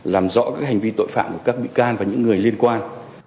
làm rõ các hành vi tội phạm của các bị can và những người liên quan